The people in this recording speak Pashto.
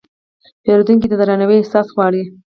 پیرودونکی د درناوي احساس غواړي.